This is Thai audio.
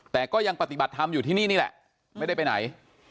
แต่ก็ยังปฏิบัติธรรมอยู่ที่นี่นี่แหละไม่ได้ไปไหน